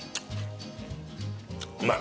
うまい？